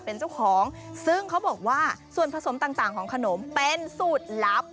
เป็นเจ้าของซึ่งเขาบอกว่าส่วนผสมต่างของขนมเป็นสูตรลับ